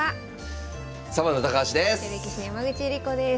サバンナ高橋です。